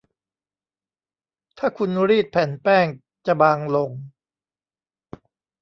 ถ้าคุณรีดแผ่นแป้งจะบางลง